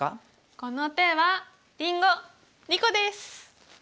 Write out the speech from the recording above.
この手はりんご２個です！